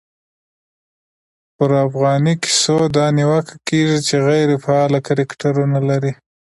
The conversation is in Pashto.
پرا فغانۍ کیسو دا نیوکه کېږي، چي غیري فعاله کرکټرونه لري.